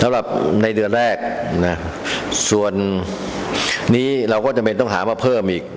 สำหรับในเดือนแรกนะส่วนนี้เราก็จำเป็นต้องหามาเพิ่มอีก